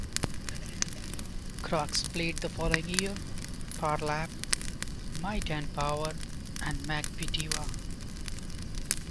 Cox Plate the following year: Phar Lap, Might and Power and Makybe Diva.